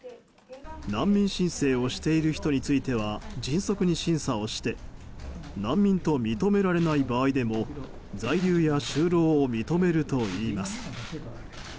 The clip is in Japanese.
難民申請をしている人については迅速に審査をして難民と認められない場合でも在留や就労を認めるといいます。